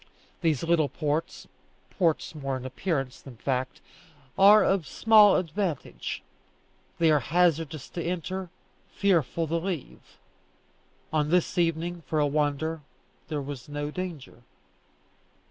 These little ports (ports more in appearance than fact) are of small advantage. They are hazardous to enter, fearful to leave. On this evening, for a wonder, there was no danger.